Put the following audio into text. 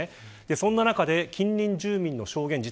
そんな中で近隣住民の証言です。